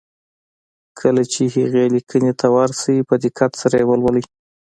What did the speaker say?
کله چې هغې ليکنې ته ور شئ په دقت سره يې ولولئ.